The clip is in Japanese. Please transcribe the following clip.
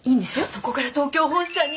そこから東京本社に？